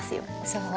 そう？